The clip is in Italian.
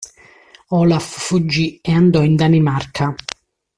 Olav fuggì e andò in Danimarca.